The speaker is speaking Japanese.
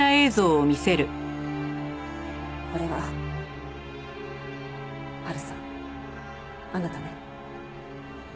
これは波琉さんあなたね？